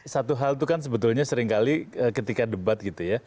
satu hal itu kan sebetulnya seringkali ketika debat